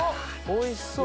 おいしそう！